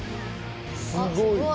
すごい。